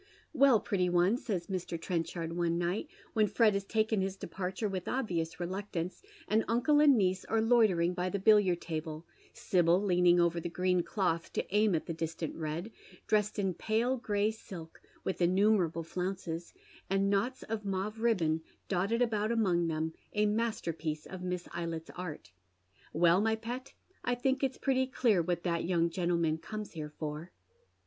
" Well, pretty one," says Mr. Trenchard one night, when Fred has taken liis departure with obvious reluctance, and uncle and niece are loitering by the billiard table, Sibyl leaning over tli© gi'een cloth to aim at the distant red, dressed in pale gray silk, with innumerable flounces, and knots of mauve ribbon dotted about among them, a masterpiece of Miss Eylett's art. " Well, jny pet, I ttiiuk it's pretty clear what that young gentleman comes here for."